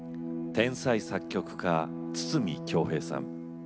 天才作曲家筒美京平さん。